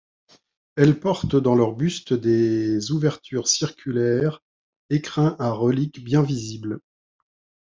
Elles portent dans leurs bustes des ouvertures circulaires, écrins à reliques bien visibles.